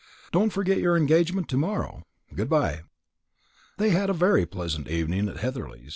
Don't forget your engagement to morrow; good bye." They had a very pleasant evening at Heatherly.